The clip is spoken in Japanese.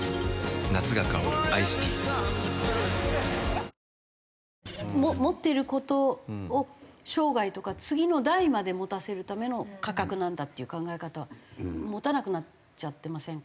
夏が香るアイスティー持ってる事を生涯とか次の代まで持たせるための価格なんだっていう考え方は持たなくなっちゃってませんか？